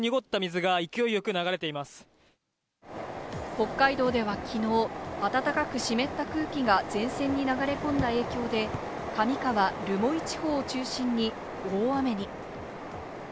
北海道ではきのう、暖かく、湿った空気が前線に流れ込んだ影響で、上川、留萌地方を中心に大雨に。